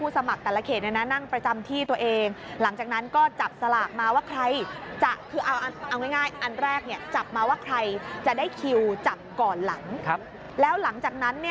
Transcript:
เจ้าหน้าที่จะจัดโต๊ะเอาไว้๓๓เขต